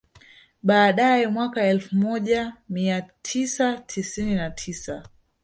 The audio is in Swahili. Baadae mwaka elfu moja mia tisa tisini na tisa